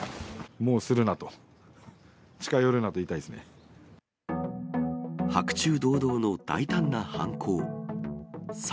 もうするなと、近寄るなと言いた白昼堂々の大胆な犯行。